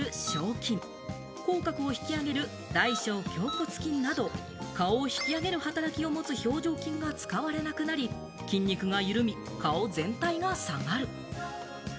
筋、口角を引き上げる大・小頬骨筋など顔を引き上げる働きを持つ表情筋が使われなくなり、筋肉が緩み、顔全体が下がる。